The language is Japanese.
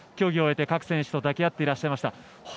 競技を終えて各選手と抱き合っていらっしゃいました。